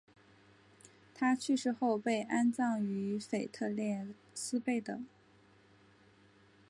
他去世后被葬于腓特烈斯贝的。